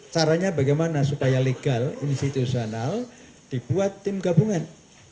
caranya bagaimana supaya legal institusional dibuat tim gabungan